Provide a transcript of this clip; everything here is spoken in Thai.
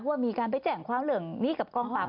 ว่ามีการไปแจ้งความเรื่องนี้กับกองปราบ